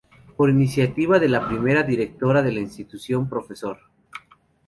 Por iniciativa de la primera directora de la institución Prof.